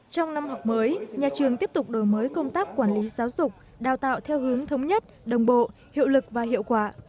trong năm học mới nhà trường tiếp tục đổi mới công tác quản lý giáo dục đào tạo theo hướng thống nhất đồng bộ hiệu lực và hiệu quả